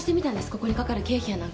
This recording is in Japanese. ここにかかる経費やなんかを。